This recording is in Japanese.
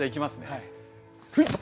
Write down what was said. はい。